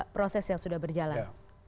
proses yang sudah berjalan